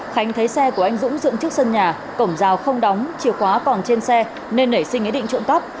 khánh thấy xe của anh dũng dựng trước sân nhà cổng rào không đóng chìa khóa còn trên xe nên nảy sinh ý định trộm cắp